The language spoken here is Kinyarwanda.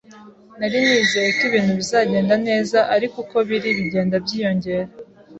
Nari nizeye ko ibintu bizagenda neza, ariko uko biri, bigenda byiyongera.